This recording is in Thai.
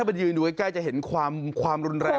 ถ้าเป็นยืนดูใกล้จะเห็นความรุนแรก